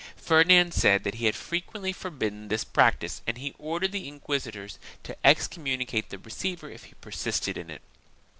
Ferdinand said that he had frequently forbidden this practice and he ordered the inquisitors to excommunicate the receiver if he persisted in it.